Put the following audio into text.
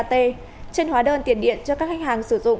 trên hóa đơn tiền điện cho các khách hàng sử dụng